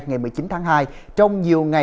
ngày một mươi chín tháng hai